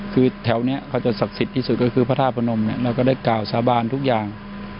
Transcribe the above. คือแถวนี้เขาจะศักดิ์สิทธิ์ที่สุดก็คือพระธาตุพนมเนี่ยเราก็ได้กล่าวสาบานทุกอย่าง